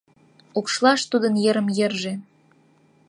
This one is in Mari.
Укшлаж тудын йырым-йырже